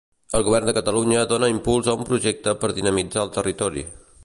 El govern de Catalunya dona impuls a un projecte per dinamitzar el territori.